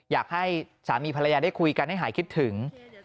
อยากให้สามีภรรยาได้คุยกันให้หายคิดถึง